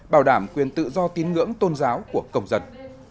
bảo đảm quyền tự do tín ngưỡng tôn giáo của công dân